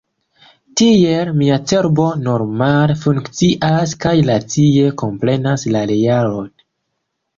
Tiel, mia cerbo normale funkcias kaj racie komprenas la realon.